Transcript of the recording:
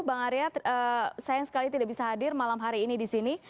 bang arya sayang sekali tidak bisa hadir malam hari ini di sini